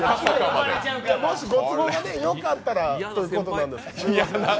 ご都合がよかったらということなんで、すみません。